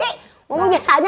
lo biasa makan dedek juga loh